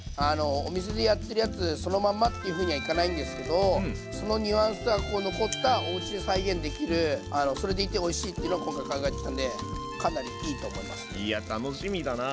お店でやってるやつそのまんまっていうふうにはいかないんですけどそのニュアンスが残ったおうちで再現できるそれでいておいしいっていうのを今回考えてきたんでかなりいいと思いますね。